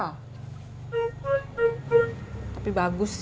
tapi bagus sih